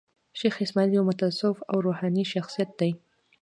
شېخ اسماعیل یو متصوف او روحاني شخصیت دﺉ.